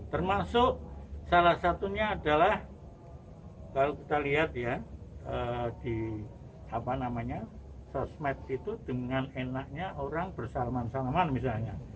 termasuk salah satunya adalah kalau kita lihat ya di sosmed itu dengan enaknya orang bersalaman salaman misalnya